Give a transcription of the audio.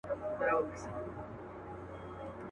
نور مي په حالاتو باور نه راځي بوډی سومه.